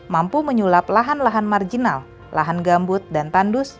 mampu menyulap lahan lahan marginal lahan gambut dan tandus